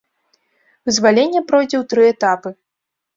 Вызваленне пройдзе ў тры этапы.